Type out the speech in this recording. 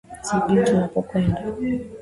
sijui tunapokwenda